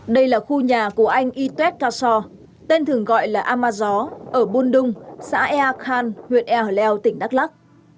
đây là khu nhà của anh itoet kassor tên thường gọi là amazó ở buôn đung xã eak khan huyện e hòa leo tỉnh đắk lắc